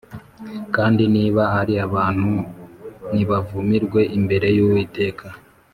Kandi niba ari abantu nibavumirwe imbere y’Uwiteka